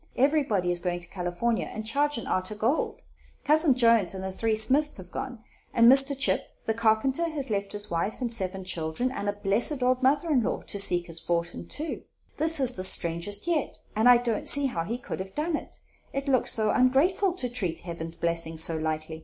Everybody is going to California and Chagrin arter gold. Cousin Jones and the three Smiths have gone; and Mr. Chip, the carpenter, has left his wife and seven children and a blessed old mother in law, to seek his fortin, too. This is the strangest yet, and I don't see how he could have done it; it looks so ongrateful to treat Heaven's blessings so lightly.